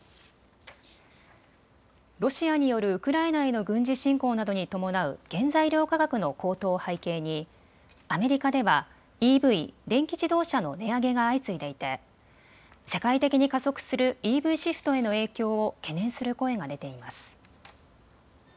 ロシアによるウクライナへの軍事侵攻などに伴う原材料価格の高騰を背景にアメリカではＥＶ・電気自動車の値上げが相次いでいて世界的に加速するＥＶシフトへの影響を懸念する声が出ています。